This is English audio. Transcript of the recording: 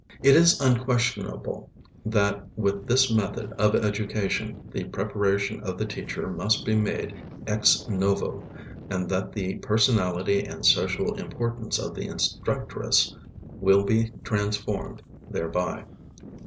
It is unquestionable that with this method of education the preparation of the teacher must be made ex novo, and that the personality and social importance of the instructress will be transformed thereby.